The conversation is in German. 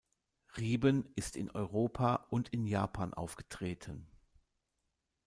Rieben ist in Europa und in Japan aufgetreten.